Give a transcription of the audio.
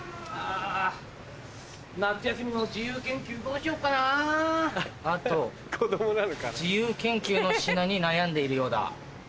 自由研究の品に悩んでいるようだ。